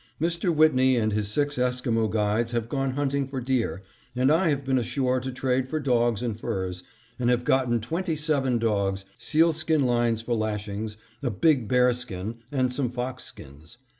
Mr. Whitney and his six Esquimo guides have gone hunting for deer, and I have been ashore to trade for dogs and furs, and have gotten twenty seven dogs, sealskin lines for lashings, a big bearskin, and some foxskins.